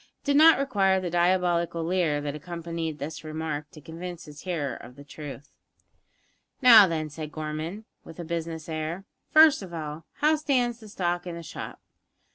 It did not require the diabolical leer that accompanied this remark to convince his hearer of its truth. "Now, then," said Gorman, with a business air, "first of all, how stands the stock in the shop?"